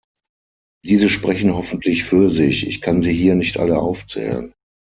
Diese sprechen hoffentlich für sich, ich kann sie hier nicht alle aufzählen.